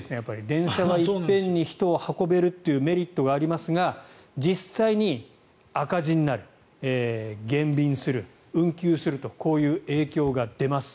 電車は一遍に人を運べるというメリットがありますが実際に、赤字になる減便する、運休するとこういう影響が出ます。